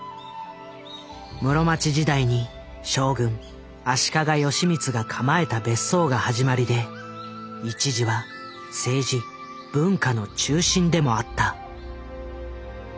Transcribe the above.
室町時代に将軍足利義満が構えた別荘が始まりで一時は政治・文化の中心でもあった。